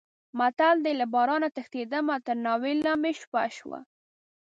متل دی: له بارانه تښتېدم تر ناوې لانې مې شپه شوه.